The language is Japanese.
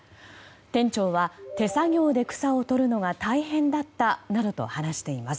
店長は手作業で草をとるのが大変だったなどと話しています。